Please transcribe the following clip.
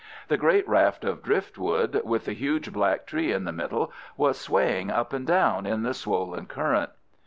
The great raft of driftwood, with the huge black tree in the middle, was swaying up and down in the swollen current.